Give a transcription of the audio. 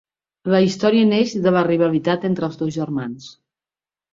La història neix de la rivalitat entre els dos germans.